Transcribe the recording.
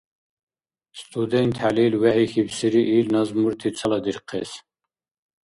СтудентхӀелил вехӀихьибсири ил назмурти цаладирхъес.